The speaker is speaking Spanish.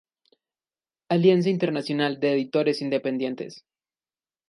Alianza Internacional de Editores Independientes